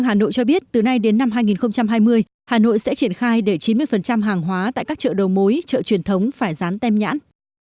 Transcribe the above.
hà nội sẽ triển khai để chín mươi hàng hóa tại các chợ đầu mối chợ truyền thống phải rán tem nhãn